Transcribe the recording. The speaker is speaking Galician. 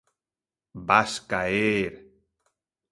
Vas caer...